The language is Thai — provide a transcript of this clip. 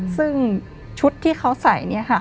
ซึ่งชุดที่เขาใส่เนี่ยค่ะ